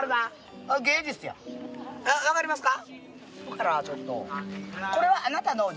分かりますか？